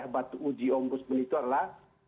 batu uji ombudsman itu adalah